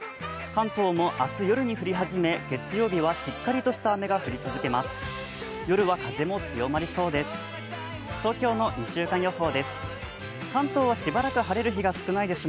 関東も明日夜に降り始め、月曜日はしっかりとした雨が降り続けます。